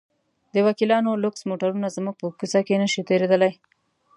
د وکیلانو لوکس موټرونه زموږ په کوڅه کې نه شي تېرېدلی.